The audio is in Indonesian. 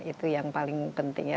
itu yang paling penting ya